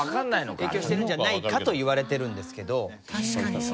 影響してるんじゃないかといわれてるんですけど。